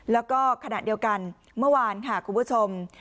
แล้วก็ขณะเดียวกันเมื่อวานค่ะคุณผู้ชม